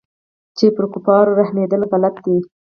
چې پر كفارو رحمېدل غلط دي.